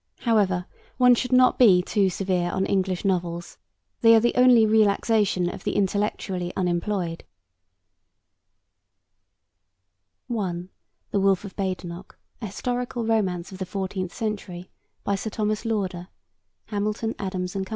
However, one should not be too severe on English novels: they are the only relaxation of the intellectually unemployed. (1) The Wolfe of Badenoch: A Historical Romance of the Fourteenth Century. By Sir Thomas Lauder. (Hamilton, Adams and Co.)